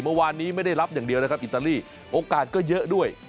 เมื่อวานนี้ไม่ได้รับอย่างเดียวนะครับอิตาลีโอกาสก็เยอะด้วย